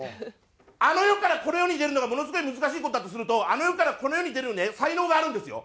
あの世からこの世に出るのがものすごい難しい事だとするとあの世からこの世に出る才能があるんですよ。